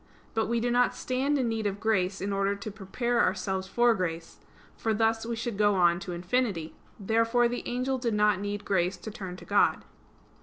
But we do not stand in need of grace in order to prepare ourselves for grace: for thus we should go on to infinity. Therefore the angel did not need grace to turn to God.